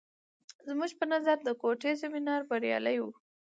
زموږ په نظر د کوټې سیمینار بریالی و.